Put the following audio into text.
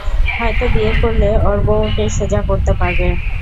হয়তো বিয়ে করলে, ওর বউ ওকে সোজা করতে পারবে।